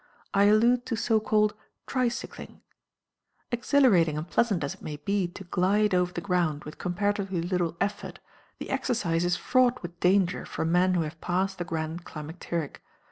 I allude to so called "tricycling." Exhilarating and pleasant as it may be to glide over the ground with comparatively little effort, the exercise is fraught with danger for men who have passed the grand climacteric.